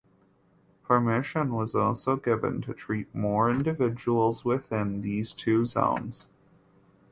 Permission was also given to treat more individuals within these two zones.